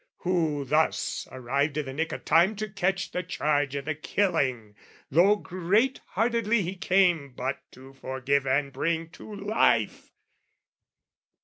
Who thus arrived i' the nick of time to catch The charge o' the killing, though great heartedly He came but to forgive and bring to life.